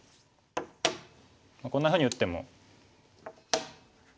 こんなふうに打っても。